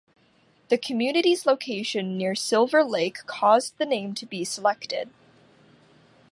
The community's location near Silver Lake caused the name to be selected.